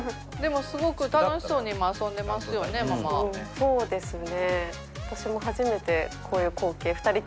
うんそうですね。